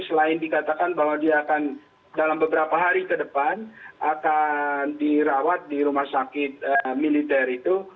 selain dikatakan bahwa dia akan dalam beberapa hari ke depan akan dirawat di rumah sakit militer itu